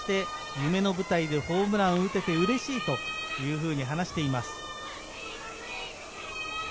夢の舞台でホームランを打ててうれしいと話しています。